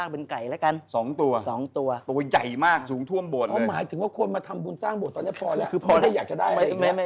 ไม่อยากจะได้อะไรอีกแล้ว